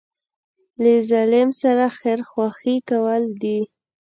له ظالم سره خیرخواهي کول دي.